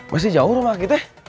masih jauh rumah kita